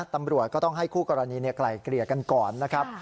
ตำรวจก็ต้องให้คู่กรณีไกลเกลี่ยกันก่อนนะครับ